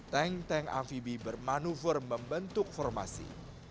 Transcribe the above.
tank tank amfibi bermanuver membentuk formasi